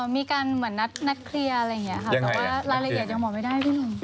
มีการเหมือนนัดเคลียร์อะไรอย่างเงี้ยค่ะ